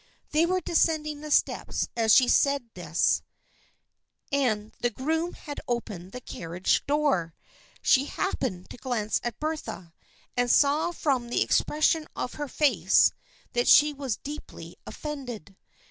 They were descending the steps as she said this, THE FKIENDSHIP OF ANNE 195 and the groom had opened the carriage door. She happened to glance at Bertha, and saw from the expression of her face that she was deeply offended.